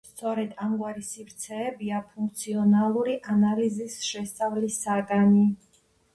სწორედ ამგვარი სივრცეებია ფუნქციონალური ანალიზის შესწავლის საგანი.